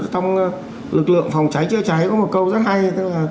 trong lực lượng phòng cháy chữa cháy có một câu rất hay